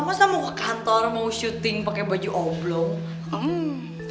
masa mau ke kantor mau syuting pakai baju oblong